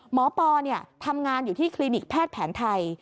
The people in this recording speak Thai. ปอทำงานอยู่ที่คลินิกแพทย์แผนไทย